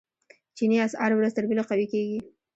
چیني اسعار ورځ تر بلې قوي کیږي.